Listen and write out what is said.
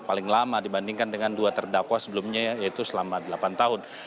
paling lama dibandingkan dengan dua terdakwa sebelumnya yaitu selama delapan tahun